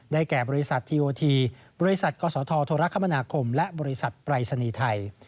แก่บริษัททีโอทีบริษัทกศธโทรคมนาคมและบริษัทปรายศนีย์ไทย